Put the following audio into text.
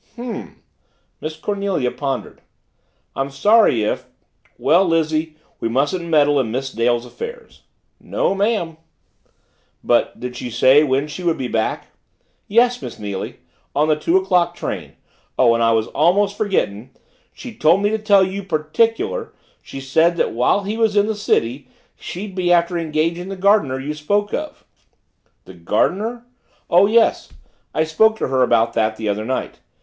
"H'm," Miss Cornelia pondered. "I'm sorry if well, Lizzie, we mustn't meddle in Miss Dale's affairs." "No, ma'am." "But did she say when she would be back?" "Yes, Miss Neily. On the two o'clock train. Oh, and I was almost forgettin' she told me to tell you, particular she said while she was in the city she'd be after engagin' the gardener you spoke of." "The gardener? Oh, yes I spoke to her about that the other night.